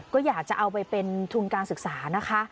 ก็อยากจะเอาไปเป็นทุนการศึกษานะคะ